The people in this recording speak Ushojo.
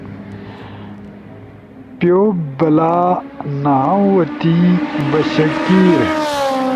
پیوبلا نہاؤتی، بشکیر